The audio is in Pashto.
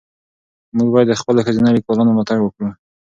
موږ باید د خپلو ښځینه لیکوالو ملاتړ وکړو.